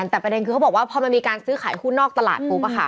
แต่ประเด็นคือเขาบอกว่าพอมันมีการซื้อขายหุ้นนอกตลาดปุ๊บ